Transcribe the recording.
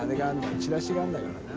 ちらしがあるんだからな。